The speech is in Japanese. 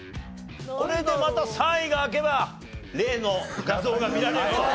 これでまた３位が開けば例の画像が見られると。